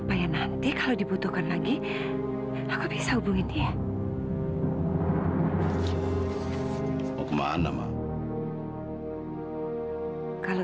saya nggak butuh penjelasan kamu